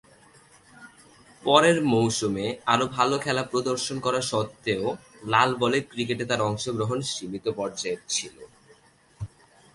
পরের মৌসুমে আরও ভালো খেলা প্রদর্শন করা সত্ত্বেও লাল বলের ক্রিকেটে তার অংশগ্রহণ সীমিত পর্যায়ের ছিল।